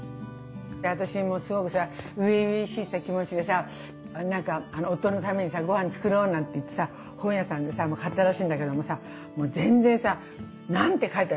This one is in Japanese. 私もすごくさ初々しい気持ちでさなんか夫のためにさご飯作ろうなんて言ってさ本屋さんでさ買ったらしいんだけどもさもう全然さ何て書いてある。